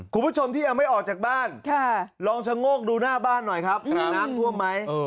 คุณผู้ชมที่ยังไม่ออกจากบ้านลองชะโงกดูหน้าบ้านหน่อยครับน้ำท่วมไหม